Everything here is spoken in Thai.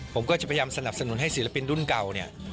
ผมก็จะพยายามสนับสนุนให้ศิลปินรุ่นเก่าเนี่ย